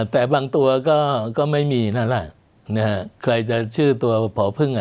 แต่บางตัวก็ไม่มีนั่นแหละนะฮะใครจะชื่อตัวผอพึ่งอ่ะ